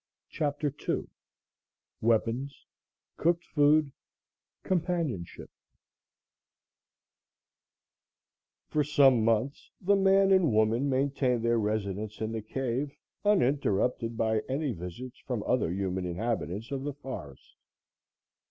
CHAPTER II WEAPONS COOKED FOOD COMPANIONSHIP For some months the man and woman maintained their residence in the cave, uninterrupted by any visits from other human inhabitants of the forest.